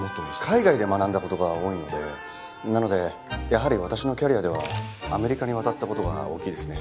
海外で学んだ事が多いのでなのでやはり私のキャリアではアメリカに渡った事が大きいですね。